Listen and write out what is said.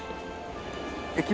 駅前